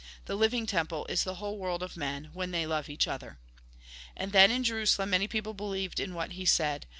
The Uving temple is the whole world of men, when they love each other." And then in Jerusalem many people believed in what he said.